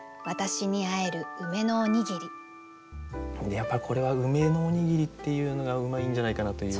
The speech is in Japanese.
やっぱりこれは「梅のおにぎり」っていうのがうまいんじゃないかなという。